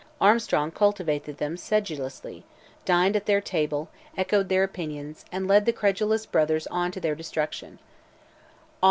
Armstrong cultivated them sedulously, dined at their table, echoed their opinions, and led the credulous brothers on to their destruction.